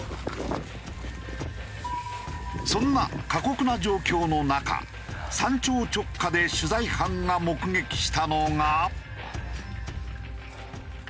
そんな過酷な状況の中山頂直下で取材班が目撃したのが。